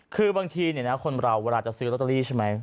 คือบางทีคนเราเวลาจะซื้อลอตเตอรี่ใช่ไหม